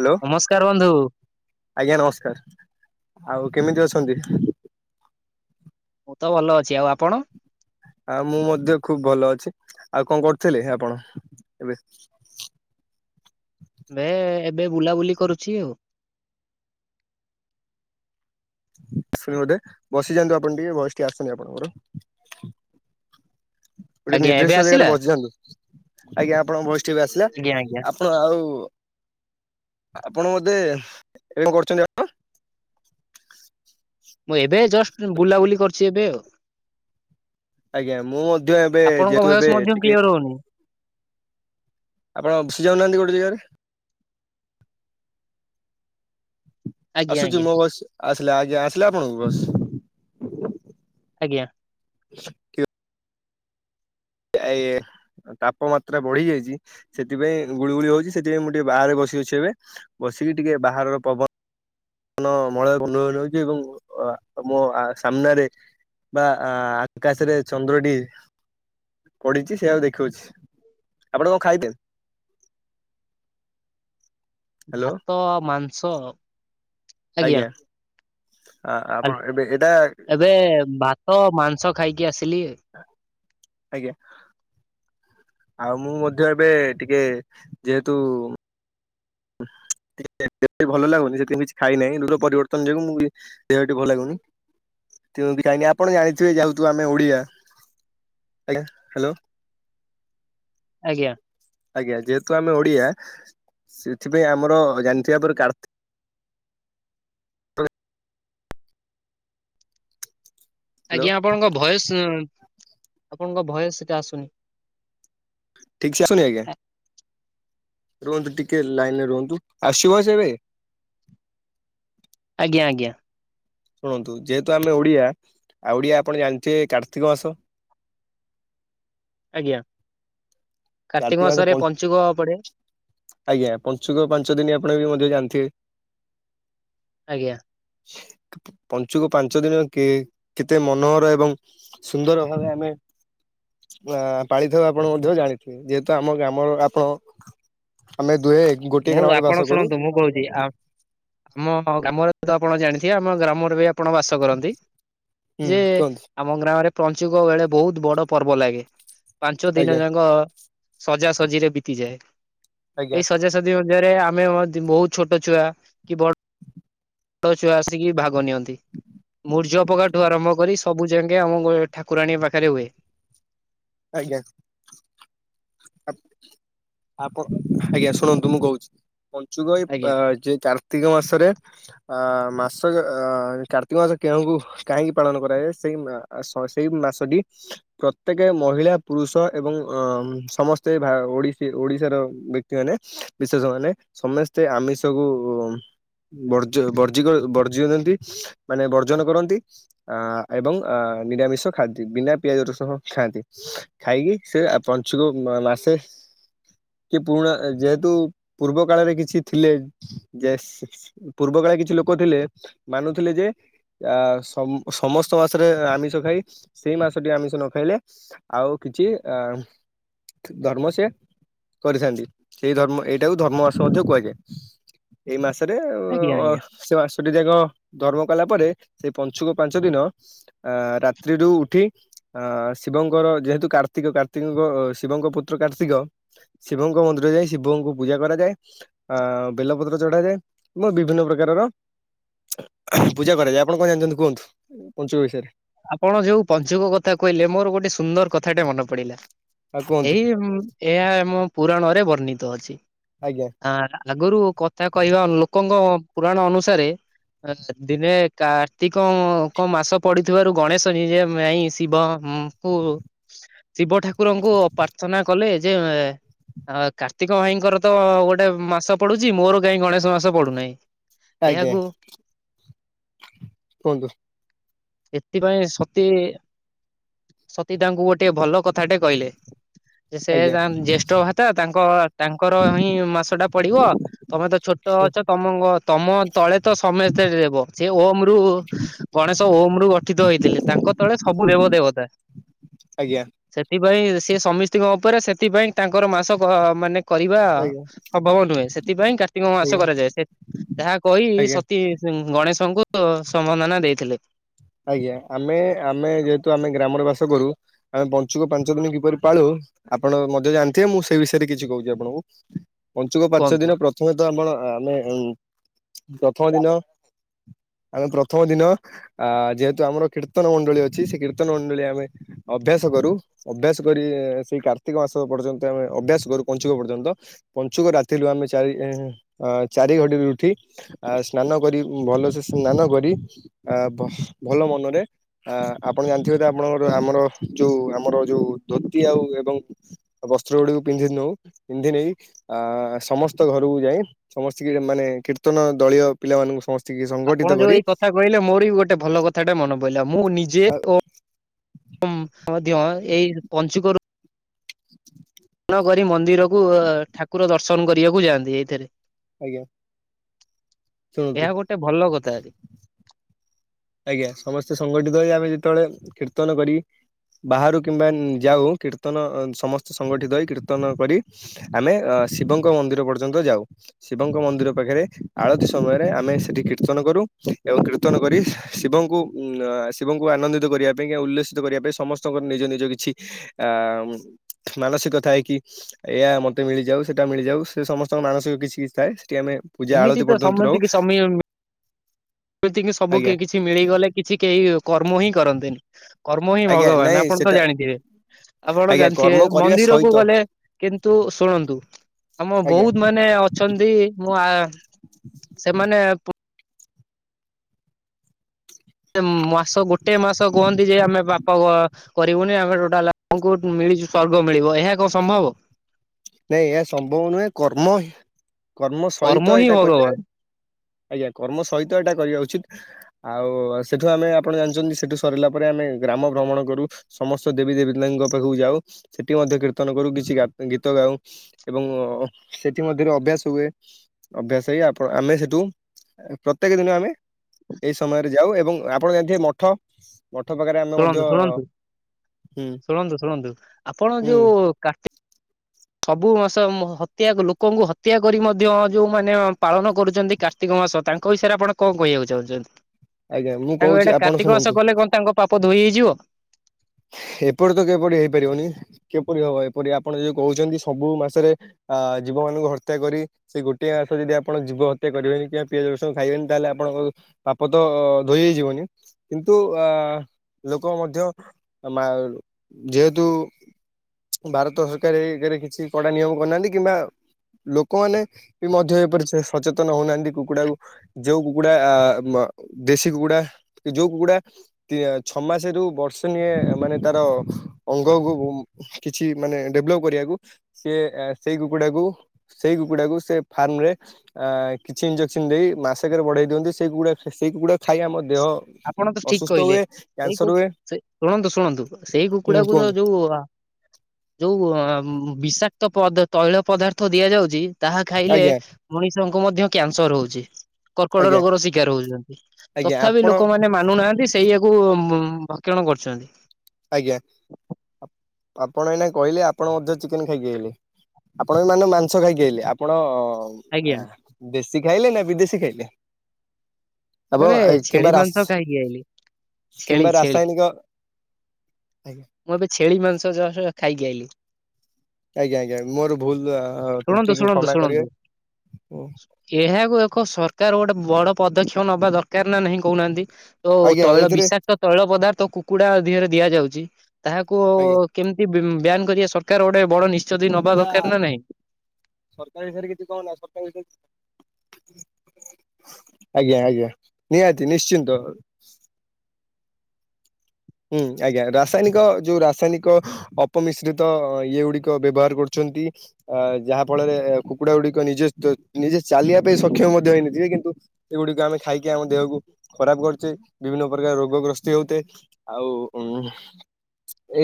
Hello. ନମସ୍କାର ବନ୍ଧୁ ଆଜ୍ଞା ନମସ୍କାର୍, ଆଉ କେମିତି ଅଛନ୍ତି? ମୁଁ ତ ଭଲ ଅଛି, ଆଉ ଆପଣ? ଆ ମୁଁ ମଧ୍ୟ ଖୁବ୍ ଭଲ ଅଛି, ଆଉ କଣ କରୁଥିଲେ ଆପଣ ଏବେ? ବେ ଏବେ ବୁଲାବୁଲି କରୁଛି ଆଉ। [unintelligible] ବସି ଯାଆନ୍ତୁ ଆପଣ ଟିକେ ଭଏସ୍ ଟିକେ ଆସୁନି ଆପଣଙ୍କର। ଗୋଟେ ଆଜ୍ଞା ଏବେ ନିର୍ଦ୍ଦିଷ୍ଟ ଜାଗାରେ ଆସିଲା ବସିଯାଆନ୍ତୁ, ଆଜ୍ଞା ଆପଣଙ୍କ ଭଏସ୍ ଟି ଏବେ ଆସିଲା ଆଜ୍ଞା ଆଜ୍ଞା। ଆ ପଣ ଆଉ ଆପଣ ବୋଧେ [unintelligible] କରୁଚନ୍ତି [unintelligible] ମୁଁ ଏବେ ଜଷ୍ଟ ବୁଲାବୁଲି କରୁଚି ଏବେ ଆଉ। ଆଜ୍ଞା ମୁଁ ମଧ୍ୟ ଏବେ ଆପଣଙ୍କ ଯେହେତୁ ଭଏସ୍ ଏବେ ମଧ୍ୟ ଟିକେ କ୍ଲିଅର୍ ହଉନି। ଆପଣ ବସି ଯାଉନାହାନ୍ତି ଗୋଟେ ଜେଗାରେ। ଆଜ୍ଞା ଆସୁଛି ଆଜ୍ଞା ମୋ ଭଏସ୍ ଆସିଲା ଆଜ୍ଞା ଆସିଲା ଆପଣଙ୍କୁ ଭଏସ୍? ଆଜ୍ଞା। [unintelligible] [unintelligible] ତାପମାତ୍ରା ବଢି ଯାଇଚି ସେଥିପାଇଁ ଗୁଳିୁଗୁଳି ହଉଚି, ସେଥିପାଇଁ ମୁଁ ଟିକେ ବାହାରେ ବସି ଅଛି ଏବେ। ବସିକି ଟିକେ ବାହାରର ପବ ନ ମଳୟ [unintelligible] ଏବଂ ମୋ ସାମ୍ନାରେ ବା ଆକାଶେରେ ଚନ୍ଦ୍ରଟି ପଡିଛି ସେୟକୁ ଦେଖୁଅଛି, ଆପଣ କଣ [unintelligible] ହ୍ୟାଲୋ ଭାତ ଆଉ ମାଂସ। ଆଜ୍ଞା ଆ ହାଲ୍ ଆପଣ ଏବେ ଏଇଟା ଏବେ ଭାତ ମାଂସ ଖାଇକି ଆସିଲି। ଆଜ୍ଞା। ଆଉ ମୁଁ ମଧ୍ୟ ଏବେ ଟିକେ ଯେହେତୁ [unintelligible] ଭଲ ଲାଗୁନି ସେଥିପାଇଁ କିଛି ଖାଇ ନାହିଁ [unintelligible] ପରିବର୍ତ୍ତନ ଯୋଗୁ ମୁଁ ଦେହ ଟି ଭଲ ଲାଗୁନି [unintelligible] ଖାଇନି ଆପଣ ଜାଣିଥିବେ ଯା ହତୁ ଆମେ ଓଡିଆ ଆଜ୍ଞା, ହାଲୋ। ଆଜ୍ଞା। ଆଜ୍ଞା, ଯେହେତୁ ଆମେ ଓଡିଆ ସେଥିପାଇଁ ଆମର ଜାଣିଥିବେ ଆ ପରେ କାର୍ତ୍ତି ହ୍ୟାଲୋ ଆଜ୍ଞା ଆପଣଙ୍କ ଭଏସ୍ ଉଁ ଆପଣଙ୍କ ଭଏସ୍ ଟା ଆସୁନି। ଠିକ୍ସେ ଆସୁନି ଆଜ୍ଞା। ରୁହନ୍ତୁ ଟିକେ ଲାଇନ୍ ରେ ରୁହନ୍ତୁ, ଆସିବ ସେ ଏବେ? ଆଜ୍ଞା ଆଜ୍ଞା। ଶୁଣନ୍ତୁ ଯେହେତୁ ଆମେ ଓଡିଆ ଆଉ ଓଡିଆ ଆପଣ ଜାଣିଥିବେ କାର୍ତ୍ତିକ ମାସ ଆଜ୍ଞା। କାର୍ତ୍ତିକ କାର୍ତିକ ମାସ, ମାସରେ ପଞ୍ଚୁକ ପଡେ ପଞ୍ଚ ଆଜ୍ଞା ପଞ୍ଚୁକ ପାଞ୍ଚ ଦିନି ଆପଣ ବି ମଧ୍ୟ ଜାଣିଥିବେ ଆଜ୍ଞା। [inaudible] ପଞ୍ଚୁକୁ ପାଞ୍ଚ ଦିନ କେ କେତେ ମନୋହର ଏବଂ ସୁନ୍ଦର ଭାବେ ଆମେ ଆ ପାଳିଥାଉ ଆପଣ ମଧ୍ୟ ଜାଣି ଯେହେତୁ ଆମ ଗ୍ରମର ଆପଣ ଆମେ ଦୁହେଁ ମୁଁ, ଆପଣ ଶୁଣନ୍ତୁ ମୁଁ କହୁଛି ଆ ଆମ ଗ୍ରାମରେ ତ ଆପଣ ଜାଣିଥିବେ। ଆମ ଗ୍ରାମରେ ବି ଆପଣ ବାସ କରନ୍ତି ହୁଁ ଯେ କୁହନ୍ତୁ ଆମ ଗ୍ରାମରେ ପଞ୍ଚୁକ ବେଳେ ବହୁତ ବଡ ପର୍ବ ଲାଗେ ପାଞ୍ଚ ଦିନ ଆଜ୍ଞା ଯାକ ସଜାସଜି ରେ ବିତିଯାଏ। ଆଜ୍ଞା ଏଇ ସଜାସଜି ରି ମଧ୍ୟରେ ଆମେ ମଧ୍ୟ ବହୁତ୍ ଛୋଟ ଛୁଆ କି ବଡ ବଡ ଛୁଆ ଆସିକି ଭାଗ ନିଅନ୍ତି। ମୂର୍ଯ୍ୟ ପକାଠୁ ଆରମ୍ଭ କରି ସବୁ ଯାଙ୍କେ ଆମ ଗ ଠାକୁରାଣୀ ପାଖରେ ହୁଏ। ଆଜ୍ଞା। ଆପ୍ ଆପ, ଆଜ୍ଞା ଶୁଣନ୍ତୁ ମୁଁ କହୁଛି। ପଞ୍ଚୁକ ଏ ଆଜ୍ଞା। ଯେ କାର୍ତ୍ତିକ ମାସରେ ଆ ମାସ ଯ ଅ କାର୍ତ୍ତିକ ମାସ କେଉଁକୁ କାହିଁକି ପାଳନ କରାଯାଏ ସେଇ ମା ସ ସେଇ ମାସଟି ପ୍ରତେକେ ମହିଳା ପୁରୁଷ ଏବଂ ଅ ସମସ୍ତେ ଭା ଓଡିଶି ଓଡିଶାର ବ୍ୟକ୍ତି ମାନେ ବିଶେଷ ମାନେ ସମସ୍ତେ ଆମିଷକୁ ବର୍ଜୁ ବର୍ଜି କ ବର୍ଜି କରିଦିଅନ୍ତି। ମାନେ ବର୍ଜନ କରନ୍ତି ଆ ଏବଂ ଆ ନିରାମିଷ ଖାଆନ୍ତି ବିନା ପିଆଜ ରସୁଣ ଖାଆନ୍ତି। ଖାଇକି ସେ ଆ ପଞ୍ଚୁକ ମ ମାସେ କି ପୁରୁଣା ଯେହେତୁ ପୂର୍ବ କାଳରେ କିଛି ଥିଲେ। ଜେସ ସ ପୂର୍ବ କାଳେ କିଛି ଲୋକ ଥିଲେ। ମାନୁଥିଲେ ଯେ ଆ ସମ ସମସ୍ତ ମାସରେ ଆମିଷ ଖାଇ ସେଇ ମାସଟି ଆମିଷ ନ ଖାଇଲେ ଆଉ କିଛି ଆ ଧର୍ମ ସେ କରିଥାନ୍ତି। ସେଇ ଧର୍ମ ଏଇଟାକୁ ଧର୍ମ ମାସ ମଧ୍ୟ କୁହାଯାଏ। ଏଇ ମାସରେ ଆଜ୍ଞା ଅ ଆଜ୍ଞା ସେ ମାଷଟି ଯାକ ଧର୍ମ କଲା ପରେ। ସେଇ ପଞ୍ଚୁକ ପାଞ୍ଚ ଦିନ ଅ ରାତ୍ରିରୁୁ ଉଠି। ଅ ଶିବଙ୍କର ଯେହେତୁ କାର୍ତ୍ତିକ କାର୍ତ୍ତିକଙ୍କ ସ ଶିବଙ୍କ ପୁତ୍ର କାର୍ତ୍ତିକ। ଶିବଙ୍କ ମନ୍ଦିର ଯାଇ ଶିବଙ୍କୁ ପୂଜା କରାଯାଏ। ଆ ବେଲପତ୍ର ଚଢାଯାଏ ଏବଂ ବିଭିନ୍ନ ପ୍ରକାରର ପୂଜା କରାଯାଏ ଆପଣ କଣ ଜାଣିଛନ୍ତି କୁହନ୍ତୁ ପଞ୍ଚୁକ ବିଷୟରେ? ଆପଣ ଯୋଉ ପଞ୍ଚୁକ କଥା କହିଲେ, ମୋର ଗୋଟେ ସୁନ୍ଦର କଥାଟେ ମନେ ପଡିଲା ଆଉ କୁହନ୍ତୁ ଏଇ ମ ଏହା ଏମ ପୁରାଣରେ ବର୍ଣ୍ଣିତ ଅଛି। ଆଜ୍ଞା। ଆ, ଆଗରୁ କଥା କହିବା ଲୋକଙ୍କ ପୁରାଣ ଅନୁସାରେ ଦିନେ କାର୍ତ୍ତିକଙ୍କ ମାସ ପଡି ଥିବାରୁ ଗଣେଶ ନିଜେ ମାଇଁ ଶିବଙ୍କୁ ଶିବ ଠାକୁରଙ୍କୁ ପ୍ରାର୍ଥ ର୍ଚ୍ଚନା କଲେ ଯେ ଏ ଆ କାର୍ତ୍ତିକ ଭାଇଙ୍କର ତ ଗୋଟେ ମାସ ପଡୁଛି। ମୋର କାହିଁ ଗଣେଶ ମାସ ପଡୁନାହିଁ। ଆଜ୍ଞା ଏହାକୁ କୁହନ୍ତୁ? ସେଥିପାଇଁ ସତୀ, ସତୀ ତାଙ୍କୁ ଗୋଟେ ଭଲ କଥାଟେ କହିଲେ। ଯେସେ ଆଜ୍ଞା ତାଜେଷ୍ଠ ଭାତା ତାଙ୍କ ତାଙ୍କରହିଁ ମାସଟା ପଡ଼ିବ। ତମେତ ଛୋଟ ଅଛ ତମ ତମ ତଳେତ ସମସ୍ତେ ଦେବ ସେ ଓମ୍ ରୁ ଗଣେଶ ଓମରୁ ଗଠିତ ହେଇଥିଲେ ତାଙ୍କ ତଳେ ସବୁ ଦେବ ଦେବତା। ଆଜ୍ଞା ସେଥିପାଇଁ ସେ ସମିସ୍ତିଙ୍କ ଉପରେ ସେଥିପାଇଁ ତାଙ୍କର ମାସଘ ମାନେ କହିବା ଆଜ୍ଞା ସମ୍ଭବ ନୁହେଁ ସେଥିପାଇଁ କାର୍ତ୍ତିକ ମାସ କରାଯାଏ ସେ ଯାହା କହି ଆଜ୍ଞା ଆଜ୍ଞା ସତି ଉଁ ଗଣେଶଙ୍କୁ ସମ୍ବର୍ଧନା ଦେଇଥିଲେ। ଆଜ୍ଞା ଆମେ ଆମେ ଯେହେତୁ ଆମେ ଗ୍ରାମରେ ବାସ କରୁ ଆମେ ପଞ୍ଚୁକ ପାଞ୍ଚ ଦିନି କିପରି ପାଳୁ ଆପଣ ମଧ୍ୟ ଜାଣିଥିବେ ମୁଁ ସେଇ ବିଷୟରେ କିଛି କହୁଚି ଆପଣଙ୍କୁ ପଞ୍ଚୁକ ପାଞ୍ଚ କୁହନ୍ତୁ। ଦିନ ପ୍ର ହୁଏତ ଆପଣ ଆମେ ପ୍ରଥମ ଦିନ ଆମେ ପ୍ରଥମ ଦିନ ଆ ଯେହେତୁ ଆମର କୀର୍ତ୍ତନ ମଣ୍ଡଳୀ ଅଛି ସେକୀର୍ତ୍ତନ ମଣ୍ଡଳୀ ଆମେ ଅଭ୍ୟାସ କରୁ। ଅଭ୍ୟାସ କରି ସେଇ କାର୍ତ୍ତିକ ମାସ ପର୍ଯ୍ୟନ୍ତ ଆମେ ଅଭ୍ୟାସ କରୁ ପଞ୍ଚୁକ ପର୍ଯ୍ୟନ୍ତ ପଞ୍ଚୁକ ରାତିରୁ ଆମେ ଚାରି ଦିନି ଆଃ ଚାରି ଘଡ଼ିରୁ ଉଠି ଆ ସ୍ନାନକରି ଭଲସେ ସ୍ନାନକରି ଆ ଭଲ ମନରେ ଆଁ ଆପଣ ଜାଣିଥିବେତ ଆପଣଙ୍କର ଆମର ଯୋଉ ଆମର ଯୋଉ ଧୋତି ଆଉ ଏବଂ ଆଉ ବସ୍ତ୍ର ଗୁଡ଼ିକୁ ପିନ୍ଧି ନୋଉ ପିନ୍ଧି ନେଇଁ ଆ ସମସ୍ତ ଘରକୁ ଯାଇ ସମସ୍ତିକି ମାନେ କୀର୍ତ୍ତନ ଦଳୀୟ ପିଲାମାନଙ୍କୁ ସମସ୍ତ ଆପଣ ଯୋଉ ଏଇ କଥା କହିଲେ ମୋରବି ଗୋଟେ ଭଲ କଥାଟେ ମନେ ପଡ଼ିଲା ମୁଁ ନିଜେ ଆଉ କୋ ମ୍ପ ମଧ୍ୟ ଏଇ ମପଞ୍ଚୁକରୁ ଦର୍ନ କରି ମନ୍ଦିରକୁ ଠାକୁର ଦର୍ଶନ କରିବାକୁ ଯାଆନ୍ତି ଏଇଥିରେ। ଆଜ୍ଞା। ଶୁଣନ୍ତୁ ଏହା ଗୋଟେ ଭଲ କଥା। ଆଜ୍ଞା ସମସ୍ତେ ସଂଗଠିତ ହେଇ ଆମେ ଯେତେବେଳେ କୀର୍ତ୍ତନ କରି ବାହାରୁ କିମ୍ବା ଯାଉ କୀର୍ତ୍ତନ ସମସ୍ତ ସଂଗଠିତ ହୋଇ କୀର୍ତ୍ତନ କରି ଆମେ ଅସ ଶିବଙ୍କ ମନ୍ଦିର ପର୍ଯ୍ୟନ୍ତ ଯାଉ। ଶିବଙ୍କ ମନ୍ଦିର ପାଖରେ ଆଳତି ସମୟରେ ଆମେ ସେଠି କୀର୍ତ୍ତନ କରୁ ଏବଂ କୀର୍ତ୍ତନ କରି ଶିବଙ୍କୁ ଶିବଙ୍କୁ ଆନନ୍ଦିତ କରିବା ପାଇଁ ଉଲ୍ସିତ କରିବା ପାଇଁ ସମସ୍ତଙ୍କର ନିଜ ନିଜ କିଛି ଆଁ ମାନସିକ ଥାଏକିି ଏଇୟା ମତେ ମିଳିଯାଉ ସେଟା ମିଳିଯାଉ ସେ ସମସ୍ତଙ୍କ ମାନସିକ କିଛି କିଛି ଥାଏ ସେଠି ଆମେ ପୂଜା ଏମିତି ଆଳତି ତ ପର୍ଯ୍ୟନ୍ତ ରହୁ। ସମସ୍ତିକି ସମତିକି ସମୀ ଏମିତିକି ସବୁ ଆଜ୍ଞା କେଇ କିଛି ମିଳିଗଲେ କିଛି କେହି କର୍ମହିଁ କରନ୍ତେନି। କର୍ମହିଁ ଆଜ୍ଞା ଭଗବାନ୍ ନାଇଁ ସେଟା ଆପଣତ ଜାଣିଥିବେ ଆପଣ ଆଜ୍ଞା ଜାଣିଥିବେ କର୍ମ କରିବା ମନ୍ଦିରକୁ ସହିତ ଗଲେ କିନ୍ତୁ ଶୁଣନ୍ତୁ ଆମ ଆଜ୍ଞା ବହୁତ୍ ମାନେ ଅ ଛନ୍ତି ମୁଁ ଆ ସେମାନେ ମାସ ଗୋଟେ ମାସ କୁହନ୍ତିଯେ ଆମେ ପାପ କରିବୁନି ଆମେଟୋଟାଲ ଆମକୁ ମିଳିଚି ସ୍ଵର୍ଗ ମିଳିବ ଏହା କଣ ସମ୍ଭବ? ନାଇଁ ଏହା ସମ୍ଭବ ନୁହେଁ କର୍ମ କର୍ମ ସହିତ ହିଁ ଏଇଟା କରିବେ ଭଗବାନ ଆଜ୍ଞା କର୍ମ ସହିତ ଏଇଟା କରିବା ଉଚିତ୍। ଆଉ ସେଠୁ ଆମେ ଆପଣ ଜାଣିଚନ୍ତି ସେଠୁ ସରିଲା ପରେ ଆମେ ଗ୍ରାମ ଭ୍ରମଣ କରୁ। ସମସ୍ତ ଦେବୀ ଦେବୀତାଙ୍କ ପାଖକୁ ଯାଉ ସେଠି ମଧ୍ୟ କୀର୍ତ୍ତନ କରୁ କିଛି ଗା ଗି ଗୀତଗାଉ ଏବଂ ସେଥି ମଧ୍ୟରେ ଅଭ୍ୟାସ ହୁଏ। ଅଭ୍ୟାସ ହେଇ ଆପଣ ଆମେ ସେଠୁ ପ୍ରତ୍ୟେକ ଦିନ ଆମେ ଏଇ ସମୟରେ ଯାଉ ଏବଂ ଆପଣ ଜାଣିଥିବେ ମଠ ମଠ ପାଖରେ ଆମେ ମଧ୍ୟ ଶୁଣନ୍ତୁ ଶୁଣନ୍ତୁ ହୁଁ ଶୁଣନ୍ତୁ ଶୁଣନ୍ତୁ ଆପଣ ହୁଁ ଯୋଉ କା ସବୁ ମାସ ହତ୍ୟା ଲୋକଙ୍କୁ ହତ୍ୟା କରି ମଧ୍ୟ ଯୋଉମାନେ ପାଳନ କରୁଛନ୍ତି କା ର୍ତ୍ତିକ ମାସ ତାଙ୍କ ବିଷୟରେ ଆପଣ କଣ କହିବାକୁ ଚାହୁଁଛନ୍ତି ଆଜ୍ଞା ମୁଁ ତାଙ୍କ କହୁଛି ଏଇଟା ଆପଣ କାର୍ତ୍ତିକ ଶୁଣନ୍ତୁ ମାସ ଗଲେ କଣ ତାଙ୍କ ପାପ ଧୋଇ ହେଇଯିବ! ଏପଟ ତ କିପରି ହେଇପାରିବନି କିପରି ହବ ଏପରି ଆପଣ ଯଉ କହୁଛନ୍ତି ସବୁ ମାସରେ ଆ ଜୀବ ମାନଙ୍କୁ ହତ୍ୟା କରି ସେଇ ଗୋଟିଏ ମାସ ଯଦି ଆପଣ ଯିବ ହତ୍ୟା କରିବେନ କିମ୍ବା ପିଆଜ ରସୁଣ ଖାଇବେନି ତାହେଲେ ଆପଣଙ୍କ ପାପ ତ ଧୋଇ ହେଇଯିବନି କିନ୍ତୁ ଅ ଲୋକ ମଧ୍ୟ ଆମା ଉ ଯେହେତୁ ଭାରତ ସରକାର ଏ ଇଏରେ କିଛି କଡା ନିୟମ କରିନାହାନ୍ତି କିମ୍ବା ଲୋକମାନେ ବି ମଧ୍ୟ ଏପରି ସେ ସଚେତନ ହଉନାହାନ୍ତି କୁକୁଡାକୁ ଯୋଉ କୁକୁଡା ଆ ଦେଶୀ କୁକୁଡା ଯୋଉ କୁକୁଡା ଛଅ ମାସ ରୁ ବର୍ଷ ମାନେ ତାର ଅଙ୍ଗକୁ କିଛି ମାନେ ଡେଭଲପ କରିବାକୁ ସିଏ ସେଇ କୁକୁଡାକୁ ସେଇ କୁକୁଡାକୁ ସେ ଫାର୍ମ ରେ ଆ କିଛି ଇଞ୍ଜେକ୍ସନ ଦେଇ ମାସେକରେ ବଢେଇ ଦିଅନ୍ତି ସେଇ କୁକୁଡ଼ା ସେଇ କୁକୁଡ଼ା ଖାଇ ଆମ ଦେହ ଆପଣ ତ ଠିକ ଅସୁସ୍ଥ କହିଲେ ହୁଏ ସେଇ କ୍ୟାନସର କୋଉ ହୁଏ ସେ ଶୁଣନ୍ତୁ ଶୁଣନ୍ତୁ ସେଇ ହୁଁ କୁକୁଡାକୁ ତ କୁହନ୍ତୁ ଯୋଉ ଆ ଯୋଉ ବିଷାକ୍ତ ପଦାତୈଳ ପଦାର୍ଥ ଦିଆଯାଉଛି ତାହା ଖାଇଲେ ଆଜ୍ଞା ମଣିଷଙ୍କୁ ମଧ୍ୟ କ୍ୟାନସର ହଉଛି କର୍କଟ ଆଜ୍ଞା ରୋଗର ଶିକାର ହଉଛନ୍ତି ଆଜ୍ଞା ତଥାପି ଆପଣ ଲୋକ ମାନେ ମାନୁନାହାନ୍ତି ସେଇୟାକୁ ଭକ୍ଷଣ କରୁଛନ୍ତି। ଆଜ୍ଞା ଆପଣ ଏଇନା କହିଲେ ଆପଣ ମଧ୍ୟ ଚିକେନ ଖାଇକି ଆଇଲେ। ଆପଣ ବି ମାନେ ମାଂସ ଖାଇକି ଆଇଲେ ଆପଣ ଆଜ୍ଞା। ଆ ଦେଶୀ ଖାଇଲେ ନା ବିଦେଶୀ ଖାଇଲେ? ମୁଁ ଏବେ ଆପଣ ଛେଳି କିମ୍ବା ମାଂସ ରାଶି ଖାଇକି ଆଇଲି ଛେଳି କିମ୍ବା ଛେଳି ରାସାୟନିକ ଆଜ୍ଞା ମୁଁ ଏବେ ଛେଳି ମାଂସ ଜଷ୍ଟ ଖାଇକି ଆଇଲି। ଆଜ୍ଞା ଆଜ୍ଞା ମୋର ଭୁଲ ଆ- ଶୁଣନ୍ତୁ ତ୍ରୁଟିକୁ ଶୁଣନ୍ତୁ କ୍ଷମା ଶୁଣନ୍ତୁ କରିବେ ଏହାକୁ ଏକ ସରକାର ଗୋଟେ ବଡ ପଦକ୍ଷେପ ନବା ଦରକାର ନା ନାହିଁ କହୁନାହାନ୍ତି। ଯୋଉ ଆଜ୍ଞା ତୈଳ ଏଇଥିରେ ବିଷାକ୍ତ ତୈଳ ପଦାର୍ଥ କୁକୁଡା ଦେହରେ ଦିଆଯାଉଛି ତାହାକୁ ଆଜ୍ଞା। କେମିତି ବି -ବ୍ୟାନ କରିବେ ସରକାର ଗୋଟେ ବଡ ନିଶ୍ଚତି ନବା ଦରକାର ନା ନାଇଁ ସରକାରୀ ବିଷୟରେ କିଛି କହନା ସରକାରୀ ବିଷୟରେ [unintelligible] ଆଜ୍ଞା ଆଜ୍ଞା ନିହାତି ନିଶ୍ଚିନ୍ତ ରୁ ହୁଁ ଆଜ୍ଞା ରାସାୟନିକ ଯୋଉ ରାସାୟନିକ ଅପମିଶ୍ରିତ ଇଏ ଗୁଡିକ ବ୍ୟବହାର କରୁଛନ୍ତି। ଅ ଯାହା ଫଳରେ କୁକୁଡା ଗୁଡିକ ନିଜତ୍ଵ ନିଜେ ଚାଲିବା ପାଇଁ ସକ୍ଷମ ମଧ୍ୟ ହେଇନଥିବେ କିନ୍ତୁ ଏଗୁଡିକ ଆମେ ଖାଇକି ଆମ ଦେହକୁ ଖରାପ କରୁଛେ ବିଭିନ୍ନ ପ୍ରକାର ରୋଗ ଗ୍ରସ୍ତି ହଉଥେ ଆଉ ଉ ହୁ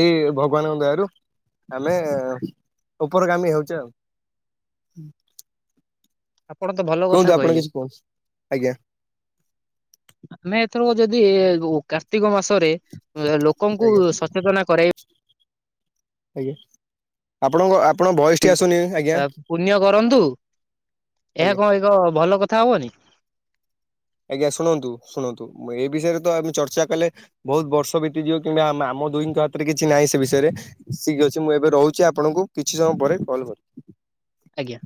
ଏଇ ଭଗବାନଙ୍କ ଦୟାରୁ ଆମେ ଉପରକାମି ହେଉଛେ ଆଉ ଆପଣ ତ ଭଲ କୁହନ୍ତୁ କଥା ଆପଣ କହିଲେ। କିଛି କୁହନ୍ତୁ ଆଜ୍ଞା ଆମେ ଏଥରକ ଯଦି କାର୍ତ୍ତିକ ମାସରେ ଲୋକଙ୍କୁ ଆଜ୍ଞା ସଚେତନା କରାଇବା। ଆଜ୍ଞା ଆପଣଙ୍କ ଆପ ଆ ପୁଣ୍ୟ କରନ୍ତୁ ଆଜ୍ଞା। ଏହା କଣ ଏକ ଭଲ କଥା ହବନି। ଆଜ୍ଞା ଶୁଣନ୍ତୁ ଶୁଣନ୍ତୁ ଏ ବିଷୟରେ ତ ଆମେ ଚର୍ଚ୍ଚା କଲେ। ବହୁତ ବର୍ଷ ବିତିଯିବ କିମ୍ବା ଆମ ଦୁହିଙ୍କ ହାତରେ କିଛି ନାହିଁ ସେ ବିଷୟରେ। ଠିକ୍ ଅଛି ମୁଁ ଏବେ ରହୁଛି ଆପଣଙ୍କୁ କିଛି ସମୟ ପରେ କଲ୍ କରିି ଆଜ୍ଞା।